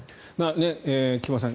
菊間さん